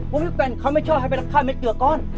ว่าพี่แฟนค่ะไม่ชอบแภบค่าเม็ดเกลือกบ้อน